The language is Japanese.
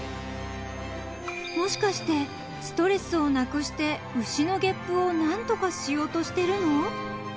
［もしかしてストレスをなくして牛のゲップを何とかしようとしてるの？］